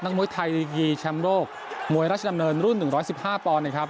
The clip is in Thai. มวยไทยลีกีแชมป์โลกมวยราชดำเนินรุ่น๑๑๕ปอนด์นะครับ